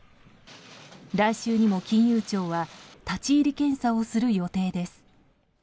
来週にも、金融庁は立ち入り検査をする予定です。